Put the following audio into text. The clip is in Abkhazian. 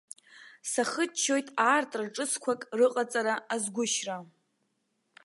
Сахыччоит аартра ҿыцқәак рыҟаҵара азгәышьра.